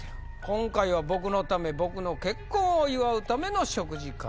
「今回は僕のため僕の結婚を祝うための食事会」。